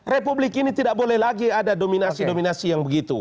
republik ini tidak boleh lagi ada dominasi dominasi yang begitu